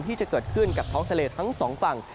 ที่จะเกิดขึ้นกับท้องทะเลทั้งสองฝั่ง